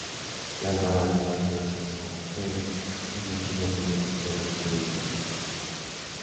La armada naval francesa en Indochina tenía un crucero ligero y cuatro avisos.